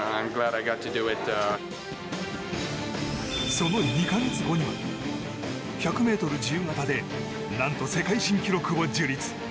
その２か月後には１００ｍ自由形で何と世界新記録を樹立。